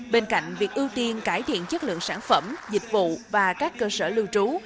bên cạnh việc ưu tiên cải thiện chất lượng sản phẩm dịch vụ và các cơ sở lưu trú